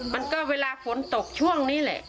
มันก็เวลาฝนตกช่วงนี้แหละ